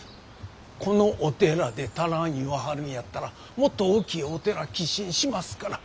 このお寺で足らんいわはるんやったらもっと大きいお寺寄進しますから！